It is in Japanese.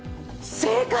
正解！